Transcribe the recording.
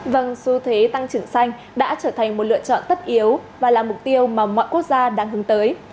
vâng xu thế tăng trưởng xanh đã trở thành một lựa chọn tất yếu và là mục tiêu mà mọi quốc gia đang hướng tới